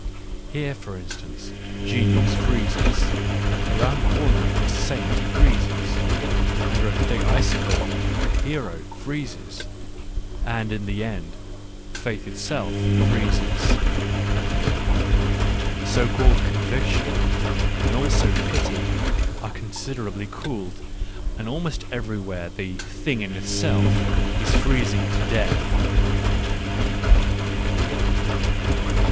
Here, for instance, "genius" freezes; round the corner the " saint " freezes ; under a thick icicle the " hero " freezes ; and in the end " faith " Digitized by Google 84 ECCE HOMO itself freezes. So called " conviction " and also " pity " are considerably cooled — and almost everywhere the "thing in itself" is freezing to death.